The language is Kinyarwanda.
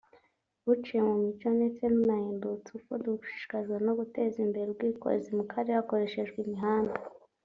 buciye mu mucyo ndetse bunahendutse […] Uko dushishikajwe no guteza imbere ubwikorezi mu karere hakoreshejwe imihanda